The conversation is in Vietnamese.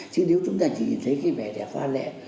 chứ nếu chúng ta chỉ nhìn thấy cái vẻ đẹp hoa lệ